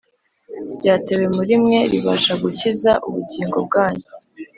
ryatewe muri mwe ribasha gukiza ubugingo bwanyu